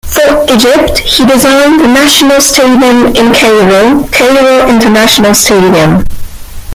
For Egypt, he designed the National Stadium in Cairo - Cairo International Stadium.